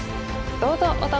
どうぞお楽しみに！